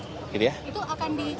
itu akan dicanangkan